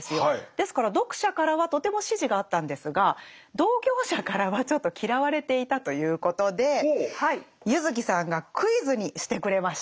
ですから読者からはとても支持があったんですが同業者からはちょっと嫌われていたということで柚木さんがクイズにしてくれました。